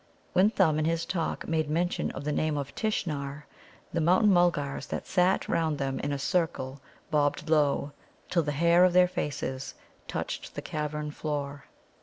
When Thumb in his talk made mention of the name of Tishnar, the Mountain mulgars that sat round them in a circle bobbed low, till the hair of their faces touched the cavern floor.